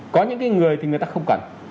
có những cái người thì người ta không cần